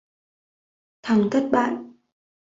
thằng thất bại